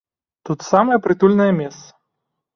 Тут самае прытульнае месца.